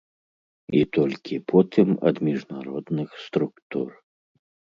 І толькі потым ад міжнародных структур.